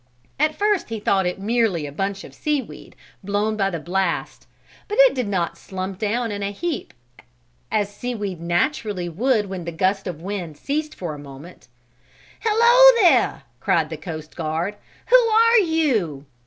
At first he thought it merely a bunch of seaweed, blown by the blast, but it did not slump down in a heap as seaweed naturally would when the gust of wind ceased for a moment. "Hello there!" cried the coast guard. "Who are you?"